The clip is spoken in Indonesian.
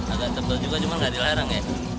agak tebal juga cuman gak dilarang ya